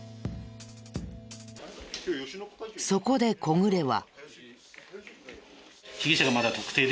そこで小暮は。